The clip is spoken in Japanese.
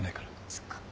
そっか。